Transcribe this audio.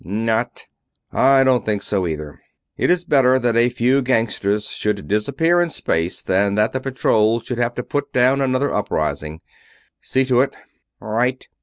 "Not." "I don't think so, either. It is better that a few gangsters should disappear in space than that the Patrol should have to put down another uprising. See to it." "Right."